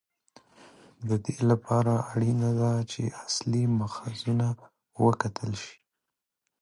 د دې لپاره اړینه ده چې اصلي ماخذونه وکتل شي.